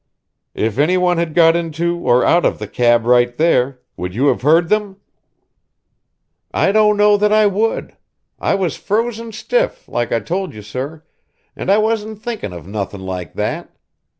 "If any one had got into or out of the cab right there, would you have heard them?" "I don't know that I would. I was frozen stiff, like I told you, sir; and I wasn't thinking of nothin' like that.